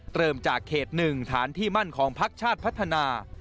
เริ่มจากเขต๑ฐานที่มั่นของพักชาติพัฒนา